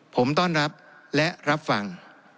ผมต้อนรับและรับฟัง